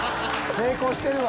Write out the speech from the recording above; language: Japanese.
成功してるわ。